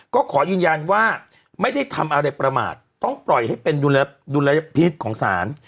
ก็ขอยืนยันว่าไม่ได้ทำอะไรประมาทต้องปล่อยให้เป็นดุลยพิษของศาล